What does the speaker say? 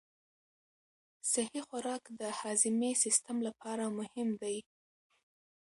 صحي خوراک د هاضمي سیستم لپاره مهم دی.